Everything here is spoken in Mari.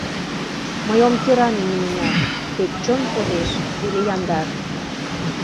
Мый ом кӧране нимыняр, Тек чон кодеш эре яндар.